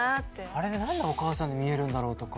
あれで何でお母さんに見えるんだろうとか。